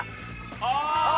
ああ。